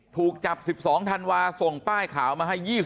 ถูกจับ๑๒ธันวาส่งป้ายขาวมาให้๒๐